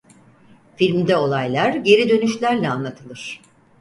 Filmde olaylar geri dönüşlerle anlatılır.